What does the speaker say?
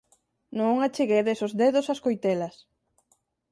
Non acheguedes os dedos ás coitelas.